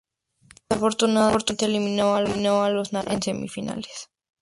Desafortunadamente, eliminó a los naranjas en semifinales.